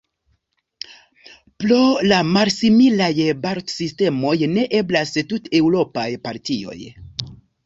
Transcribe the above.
Pro la malsimilaj balotsistemoj, ne eblas tuteŭropaj partioj.